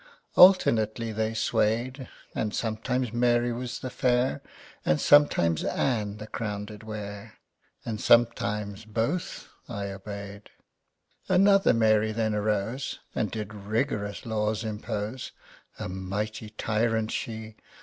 Alternately they sway'd; And sometimes Mary was the Fair, And sometimes Ann the Crown did wear, And sometimes Both I obey'd. Another Mary then arose And did rigorous laws impose. A mighty tyrant she!